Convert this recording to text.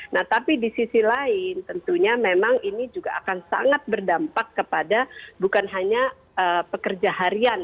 nah tapi di sisi lain tentunya memang ini juga akan sangat berdampak kepada bukan hanya pekerja harian